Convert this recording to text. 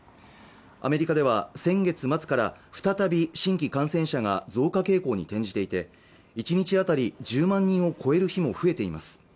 アメリカでは先月末から再び新規感染者が増加傾向に転じていて１日あたり１０万人を超える日も増えています